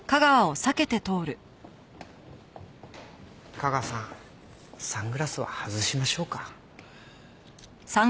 架川さんサングラスは外しましょうか。